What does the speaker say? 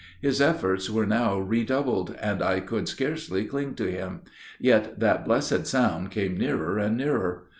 His efforts were now redoubled, and I could scarcely cling to him. Yet that blessed sound came nearer and nearer!